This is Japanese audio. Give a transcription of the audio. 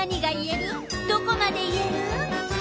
どこまで言える？